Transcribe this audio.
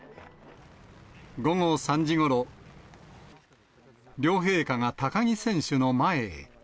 午後３時ごろ、両陛下が高木選手の前へ。